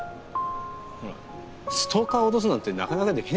ストーカー脅すなんてなかなかできねえぞ。